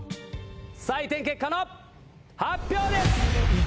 採点結果の発表です！